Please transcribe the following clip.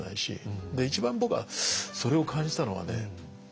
で一番僕はそれを感じたのはね